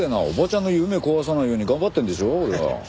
おばちゃんの夢壊さないように頑張ってるんでしょ俺は。